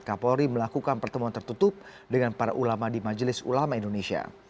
kapolri melakukan pertemuan tertutup dengan para ulama di majelis ulama indonesia